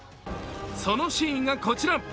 そのシーンがこちら。